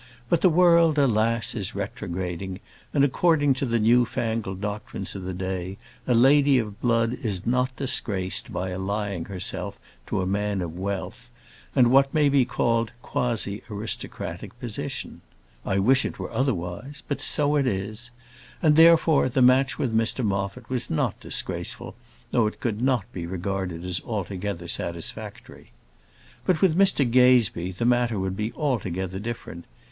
But the world, alas! is retrograding; and, according to the new fangled doctrines of the day, a lady of blood is not disgraced by allying herself to a man of wealth, and what may be called quasi aristocratic position. I wish it were otherwise; but so it is. And, therefore, the match with Mr Moffat was not disgraceful, though it could not be regarded as altogether satisfactory. But with Mr Gazebee the matter would be altogether different.